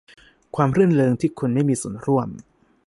ความรื่นเริงที่คุณไม่มีส่วนร่วม